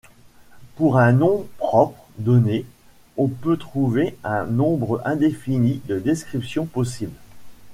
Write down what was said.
Pour un nom propre donné, on peut trouver un nombre indéfini de descriptions possibles.